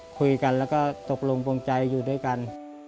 คุยกันแล้วก็ตกลงปวงใจอยู่ด้วยกัน